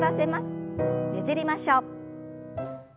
ねじりましょう。